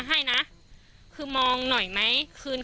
ก็กลายเป็นว่าติดต่อพี่น้องคู่นี้ไม่ได้เลยค่ะ